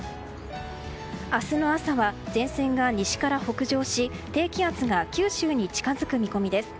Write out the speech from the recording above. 明日の朝は前線が西から北上し低気圧が九州に近づく見込みです。